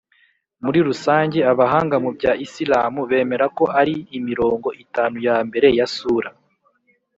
muri rusange abahanga mu bya isilamu bemera ko ari imirongo itanu ya mbere ya sura